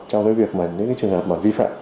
trong những trường hợp vi phạm